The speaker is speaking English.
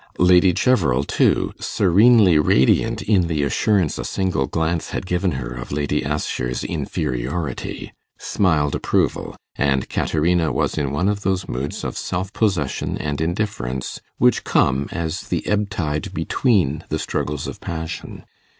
Lady Cheverel, too, serenely radiant in the assurance a single glance had given her of Lady Assher's inferiority, smiled approval, and Caterina was in one of those moods of self possession and indifference which come as the ebb tide between the struggles of passion.